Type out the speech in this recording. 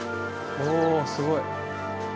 おすごい。